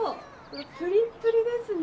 プリップリですね。